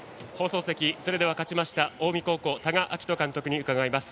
それでは勝ちました近江高校多賀章仁監督に伺います。